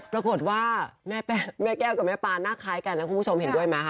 ปรากฏว่าแม่แก้วกับแม่ปานหน้าคล้ายกันนะคุณผู้ชมเห็นด้วยไหมคะ